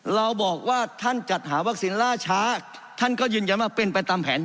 เราบอกว่าท่านจัดหาวัคซีนล่าช้าท่านก็ยืนยันว่าเป็นไปตามแผน